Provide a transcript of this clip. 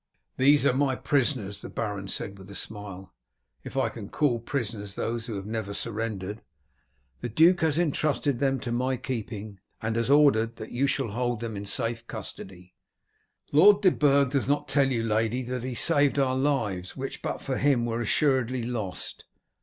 "These are my prisoners," the baron said with a smile, "if I can call prisoners those who have never surrendered. The duke has intrusted them to my keeping, and has ordered that you shall hold them in safe custody." "Lord de Burg does not tell you, lady, that he saved our lives, which but for him were assuredly lost.